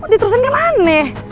diturusin kan aneh